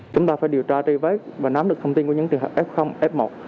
chúng ta phải điều tra tri vết và nắm được thông tin của những tự hợp f f một